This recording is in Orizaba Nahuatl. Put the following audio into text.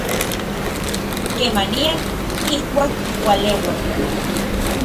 kemanian, ijkuak, ualeua